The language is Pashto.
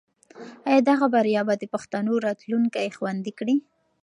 آیا دغه بریا به د پښتنو راتلونکی خوندي کړي؟